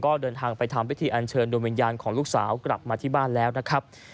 ก็เดินทางไปทำพิธีอันเชิญดวงวิญญาณของลูกสาวกลับมาที่บ้านแล้วนะครับ